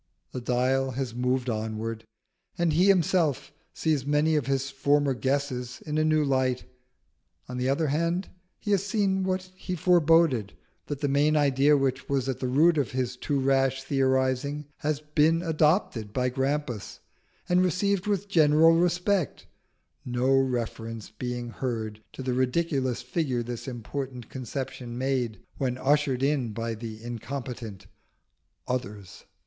The dial has moved onward, and he himself sees many of his former guesses in a new light. On the other hand, he has seen what he foreboded, that the main idea which was at the root of his too rash theorising has been adopted by Grampus and received with general respect, no reference being heard to the ridiculous figure this important conception made when ushered in by the incompetent "Others."